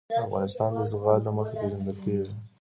افغانستان د زغال له مخې پېژندل کېږي.